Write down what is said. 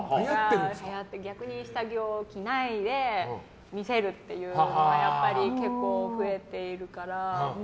逆に下着を着ないで見せるというのが結構、増えているから。